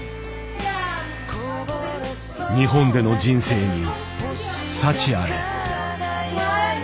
日本での人生に幸あれ。